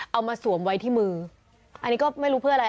เอามาสวมไว้ที่มืออันนี้ก็ไม่รู้เพื่ออะไร